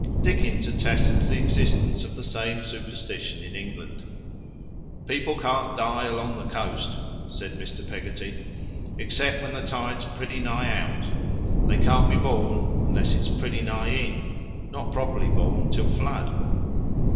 Dickens attests the existence of the same superstition in England. "People can't die, along the coast," said Mr. Pegotty, "except when the tide's pretty nigh out. They can't be born, unless it's pretty nigh in not properly born till flood."